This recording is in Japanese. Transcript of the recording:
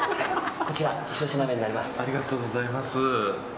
こちらひと品目になります。